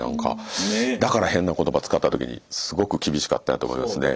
だから変な言葉使った時にすごく厳しかったんやと思いますね。